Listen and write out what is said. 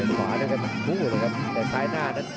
ขวาด้วยกันทั้งคู่ครับแต่สายหน้านั้น